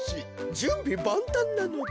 じゅんびばんたんなのだ。